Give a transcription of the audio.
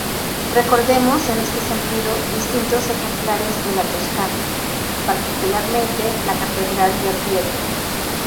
Recordemos en este sentido distintos ejemplares de la Toscana, particularmente la catedral de Orvieto.